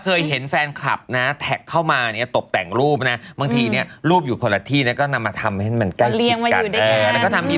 แก๊งแสงไฟจะแก๊งจับหมาครับส่งไปถ่ายทะเทศเพื่อนบ้าน